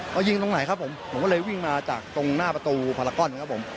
เขายิงตรงไหนครับผมผมก็เลยวิ่งมาจากตรงหน้าประตูพารากอนครับผม